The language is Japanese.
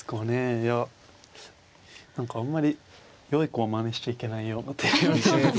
いや何かあんまりよい子はまねしちゃいけないよっていう手です。